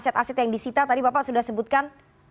aset aset yang disita tadi bapak sudah sebutkan